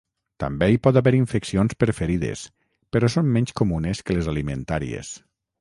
També hi pot haver infeccions per ferides però són menys comunes que les alimentàries.